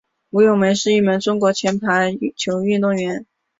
吴咏梅是一名中国前排球运动员。